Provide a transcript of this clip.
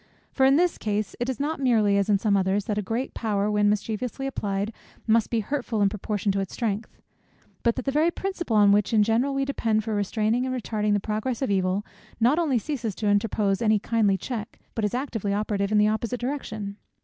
For in this case it is not merely, as in some others, that a great power, when mischievously applied, must be hurtful in proportion to its strength; but that the very principle on which in general we depend for restraining and retarding the progress of evil, not only ceases to interpose any kindly check, but is actively operative in the opposite direction.